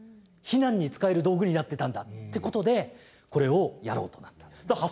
避難に使える道具になってたんだ」ってことでこれをやろうとなった。